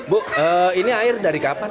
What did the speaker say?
bu ini air dari kapan